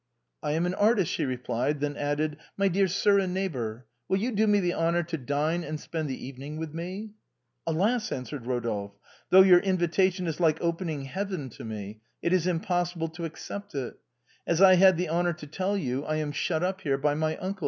" And I an artist," she replied ; then added, " My dear ALI RODOLPHE ; OR, THE TURK PERFORCE. 61 sir and neighbor, will you do me the honor to dine and spend the evening with me ?"" Alas !" answered Rodolphe, " though j^our invitation is like opening heaven to me, it is impossible to accept it. As I had the honor to tell you, I am shut up here by my uncle.